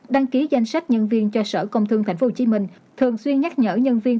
đăng ký danh sách nhân viên cho sở công thương tp hcm thường xuyên nhắc nhở nhân viên